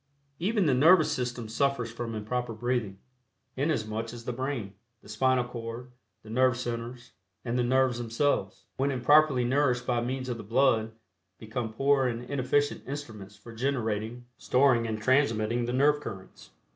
Even the nervous system suffers from improper breathing, inasmuch as the brain, the spinal cord, the nerve centers, and the nerves themselves, when improperly nourished by means of the blood, become poor and inefficient instruments for generating, storing and transmitting the nerve currents.